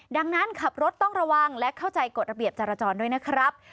ดังนั้นขับรถต้องระวังและเข้าใจกฎระเบียบจราจรด้วยนะครับ